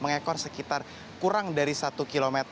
mengekor sekitar kurang dari satu km